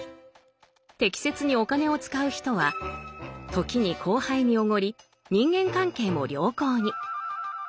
適切にお金を使う人は時に後輩におごり人間関係も良好に。